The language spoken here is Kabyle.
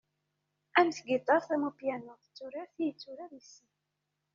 Am tgiṭart am upyanu, d turart i yetturar yes-sen.